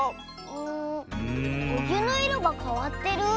んおゆのいろがかわってる？